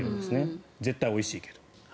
絶対においしいけど。